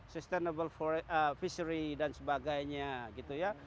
sustainable fishery dan sebagainya gitu ya